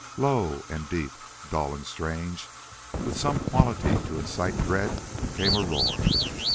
Low and deep, dull and strange, with some quality to incite dread, came a roar.